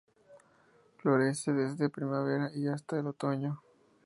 Florece desde primavera y hasta el otoño.